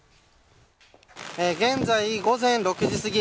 現在、午前６時すぎ。